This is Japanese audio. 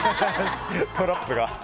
トラップが。